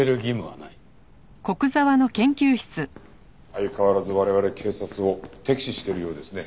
相変わらず我々警察を敵視してるようですね。